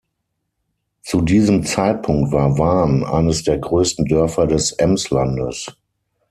Zu diesem Zeitpunkt war Wahn eines der größten Dörfer des Emslandes.